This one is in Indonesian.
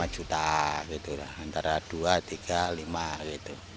lima juta gitu lah antara dua tiga lima gitu